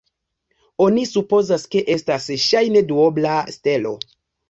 Oni supozas, ke estas ŝajne duobla stelo.